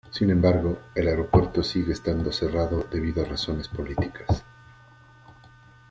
Sin embargo, el aeropuerto sigue estando cerrado debido a razones políticas.